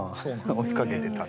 追いかけてた。